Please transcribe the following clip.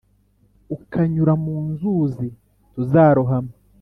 ukanyura mu nzuzi, ntuzarohama.